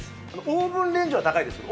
オーブンレンジは高いですよ